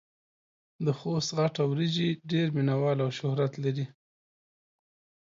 دخوست خټه وريژې ډېر مينه وال او شهرت لري.